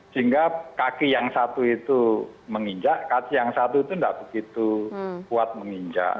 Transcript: sehingga kaki yang satu itu menginjak kaki yang satu itu tidak begitu kuat menginjak